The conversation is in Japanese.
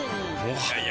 はい。